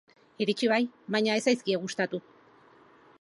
Iritsi bai, baina ez zaizkie gustatu.